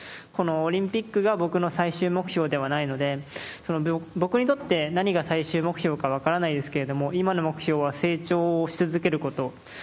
このオリンピックが僕の最終目標ではないので、僕にとって何が最終目標か分からないですけれども、今の目標は成長し続けること。